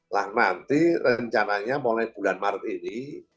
nah nanti rencananya mulai bulan maret ini